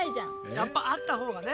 やっぱあったほうがね。